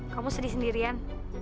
kamu sedih sendirian